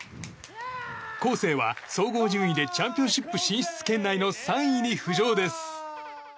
コーセーは総合順位でチャンピオンシップ進出圏内の３位に浮上です。